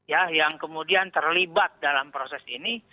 sehingga siapapun yang kemudian terlibat dalam proses ini